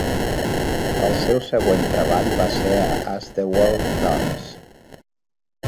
El seu següent treball va ser a As the World Turns.